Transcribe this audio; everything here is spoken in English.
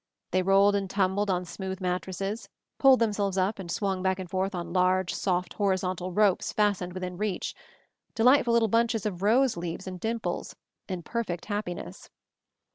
They rolled and tumbled on smooth mattresses; pulled themselves up and swung back and forth on large, soft horizontal ropes fastened within reach; de lightful little bunches of rose leaves and dimples, in perfect happiness.